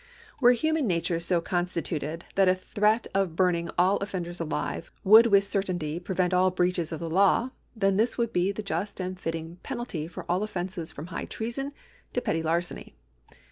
Were human nature so constituted that a threat of burning all offenders alive would with certainty prevent all breaches of the law, then this would be the just and fitting penalty for all offences from high treason to petty larceny.